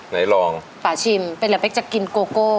ไหนลองฝาชิมเป็นเหรอเป๊กจะกินโกโก้